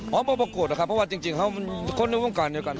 อ๋อมาประโกรธอะครับเพราะว่าจริงครับมันคนในวงการอยู่กัน